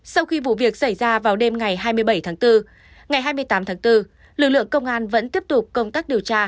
sau khi vụ việc xảy ra vào đêm ngày hai mươi bảy tháng bốn ngày hai mươi tám tháng bốn lực lượng công an vẫn tiếp tục công tác điều tra